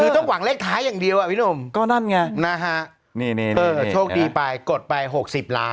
คือต้องหวังเลขท้ายอย่างเดียวอ่ะพี่หนุ่มก็นั่นไงนะฮะโชคดีไปกดไป๖๐ล้าน